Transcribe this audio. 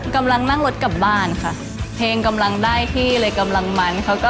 กำลังนั่งรถกลับบ้านค่ะเพลงกำลังได้ที่เลยกำลังมันเขาก็